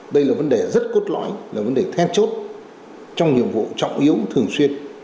đây là vấn đề rất cốt lõi là vấn đề then chốt trong nhiệm vụ trọng yếu thường xuyên